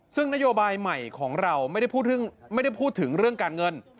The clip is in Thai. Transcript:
ซึ่งนโยบายใหม่ของเราไม่ได้พูดถึงเรื่องการเงิน